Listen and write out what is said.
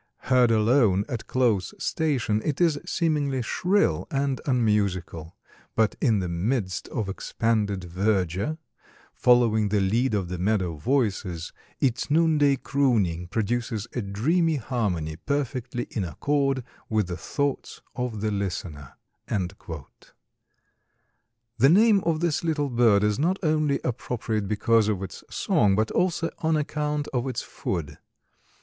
Heard alone at close station, it is seemingly shrill and unmusical; but in the midst of expanded verdure, following the lead of the meadow voices, its noonday crooning produces a dreamy harmony perfectly in accord with the thoughts of the listener." The name of this little bird is not only appropriate because of its song but also on account of its food.